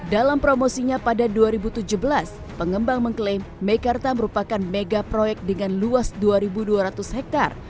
dalam promosinya pada dua ribu tujuh belas pengembang mengklaim mekarta merupakan mega proyek dengan luas dua dua ratus hektare